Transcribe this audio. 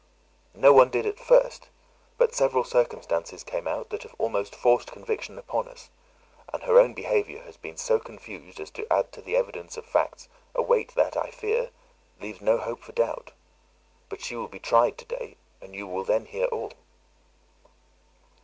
"No one did at first; but several circumstances came out, that have almost forced conviction upon us; and her own behaviour has been so confused, as to add to the evidence of facts a weight that, I fear, leaves no hope for doubt. But she will be tried today, and you will then hear all."